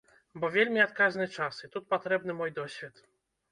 Бо вельмі адказны час, і тут патрэбны мой досвед.